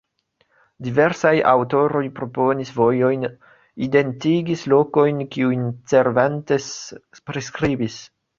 Diversaj aŭtoroj proponis vojojn, identigis lokojn kiujn Cervantes priskribis.